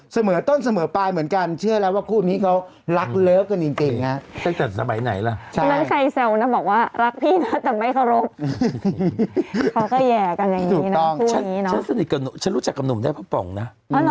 เสมอต้นเสมอปลายเหมือนกันเชื่อแล้วว่าคู่นี้เขารักเลิกกันจริงนะ